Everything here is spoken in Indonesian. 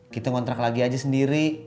kita ngtrak lagi aja sendiri